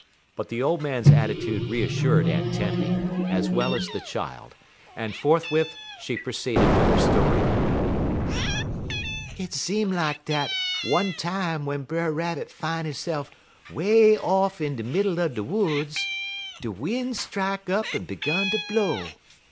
But the old man's attitude reassured Aunt Tempy, as well as the child, and forthwith she proceeded with her story: "Hit seem like dat one time w'en Brer Rabbit fine hisse'f way off in de middle er de woods, de win' strike up un 'gun ter blow.